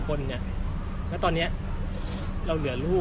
ไม่ใช่นี่คือบ้านของคนที่เคยดื่มอยู่หรือเปล่า